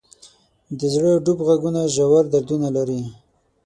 د زړه ډوب ږغونه ژور دردونه لري.